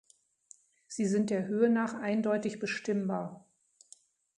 Sie sind der Höhe nach eindeutig bestimmbar.